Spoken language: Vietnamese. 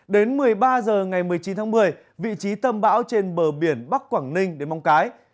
đến một mươi ba h ngày một mươi chín tháng một mươi vị trí tâm bão trên bờ biển bắc quảng ninh đến móng cái